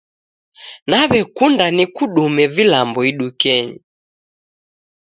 Naw'ekunda nikudume vilambo idukenyi.